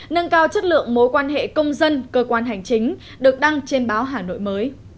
nâng cao chất lượng mối quan hệ công dân cơ quan hành chính được đăng trên báo hà nội mới